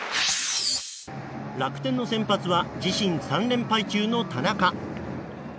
楽天の先発は自身３連敗中の田中。